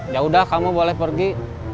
ya udah kamu boleh pergi